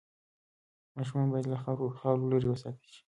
ماشومان باید له خاورو لرې وساتل شي۔